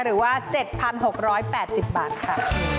หรือว่า๗๖๘๐บาทค่ะ